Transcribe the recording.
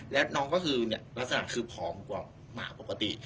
และน้องก็คือลักษณะคือผอมกว่าหมาปกติ